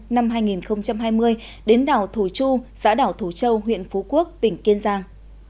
năm hai nghìn hai mươi đến đảo thổ chu xã đảo thủ châu huyện phú quốc tỉnh kiên giang